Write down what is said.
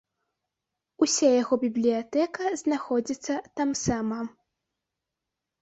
Уся яго бібліятэка знаходзіцца тамсама.